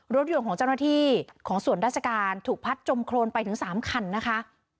รถยนต์ของเจ้าหน้าที่ของส่วนราชการถูกพัดจมโครนไปถึง๓คันนะคะ